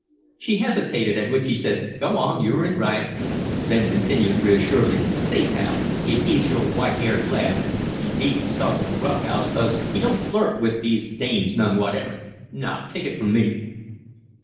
She hesitated, at which he said, "Go on you're in right;" then continued, reassuringly: "Say, pal, if he's your white haired lad, you needn't start no roughhouse, 'cause he don't flirt wit' these dames none whatever. Naw! Take it from me."